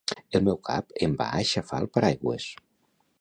El meu cap em va aixafar el paraigües